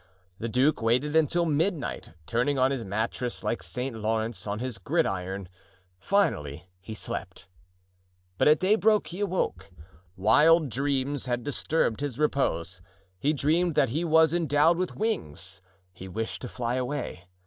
The duke waited until midnight, turning on his mattress like St. Laurence on his gridiron. Finally he slept. But at daybreak he awoke. Wild dreams had disturbed his repose. He dreamed that he was endowed with wings—he wished to fly away.